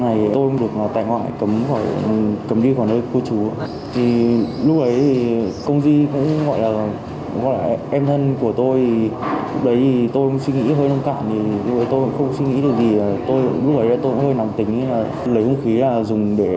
hãy đăng ký kênh để ủng hộ kênh của mình nhé